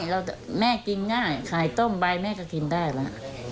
แล้วแม่กินง่ายขายต้มใบแม่ก็กินได้แล้ว